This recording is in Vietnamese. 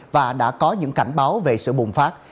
và đã có những cảnh báo về sự bùng phát